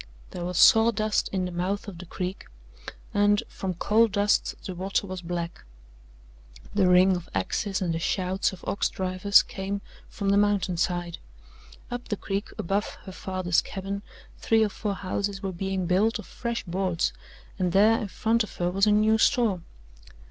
There was sawdust in the mouth of the creek and, from coal dust, the water was black. The ring of axes and the shouts of ox drivers came from the mountain side. Up the creek above her father's cabin three or four houses were being built of fresh boards, and there in front of her was a new store.